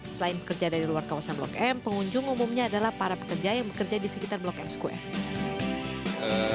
selain pekerja dari luar kawasan blok m pengunjung umumnya adalah para pekerja yang bekerja di sekitar blok m square